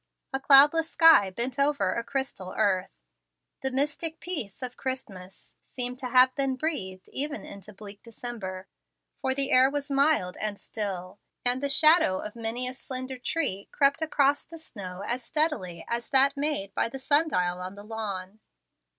A cloudless sky bent over a crystal earth. The mystic peace of Christmas seemed to have been breathed even into bleak December; for the air was mild and still, and the shadow of many a slender tree crept across the snow as steadily as that made by the sun dial on the lawn.